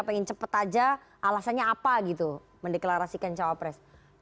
pengen cepat aja alasannya apa gitu mendeklarasikan capres